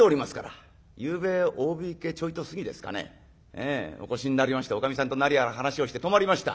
ええお越しになりまして女将さんと何やら話をして泊まりました。